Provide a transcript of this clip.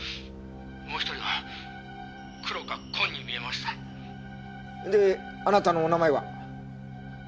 もう１人は黒か紺に見えました」であなたのお名前は？